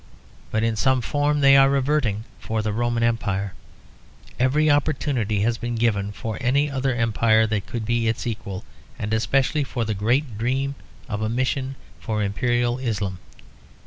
But in some form they are reverting for the Roman Empire. Every opportunity has been given for any other empire that could be its equal, and especially for the great dream of a mission for Imperial Islam.